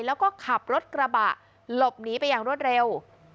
แล้วก็ขับรถกระบะหลบหนีไปอย่างรวดเร็ว